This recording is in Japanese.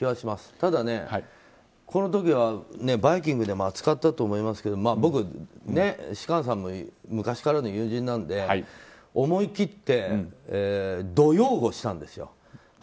ただこの時は「バイキング」でも扱ったと思いますが僕、芝翫さんも昔からの友人なので思い切って、ド擁護したんです。